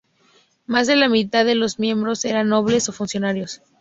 Más de la mitad de los miembros eran nobles o funcionarios.